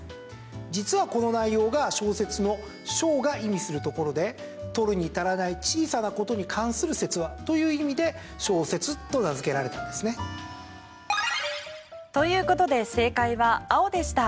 実はこの内容が小説の小が意味するところで取るに足らない小さなことに関する説話という意味で小説と名付けられたんですね。ということで正解は青でした。